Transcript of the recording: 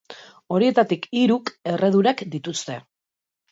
Horietatik hiruk erredurak dituzte.